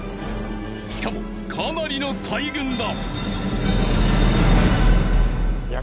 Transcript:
しかもかなりの大群だ。